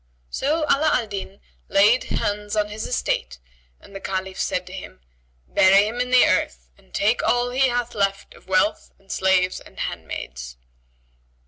So Ala al Din laid hands on his estate and the Caliph said to him, "Bury him in the earth and take all he hath left of wealth and slaves and handmaids."